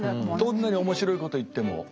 どんなに面白いこと言っても？